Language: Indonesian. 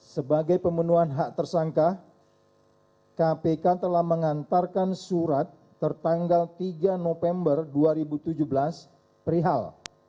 sebagai pemenuhan hak tersangka kpk telah mengantarkan surat tertanggal tiga november dua ribu tujuh belas perihal